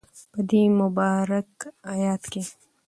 په دی مبارک ایت کی